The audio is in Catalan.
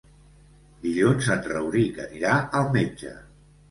Dilluns en Rauric anirà al metge.